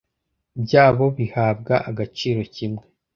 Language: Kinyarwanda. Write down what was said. byabo bihabwa agaciro kimwe